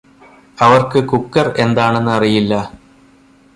അവർക്ക് കുക്കർ എന്താണന്ന് അറിയില്ലാ